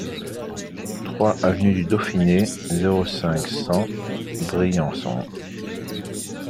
trois avenue du Dauphiné, zéro cinq, cent, Briançon